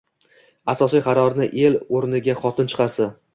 asosiy qarorni er o‘rniga xotin chiqarsa